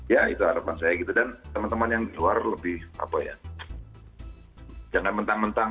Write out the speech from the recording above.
ya itu harapan saya gitu dan teman teman yang keluar lebih jangan mentang mentang